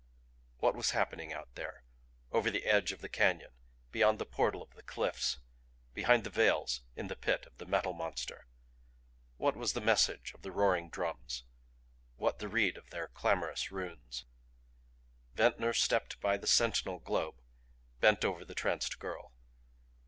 What was happening out there over the edge of the canyon, beyond the portal of the cliffs, behind the veils, in the Pit of the Metal Monster? What was the message of the roaring drums? What the rede of their clamorous runes? Ventnor stepped by the sentinel globe, bent over the tranced girl.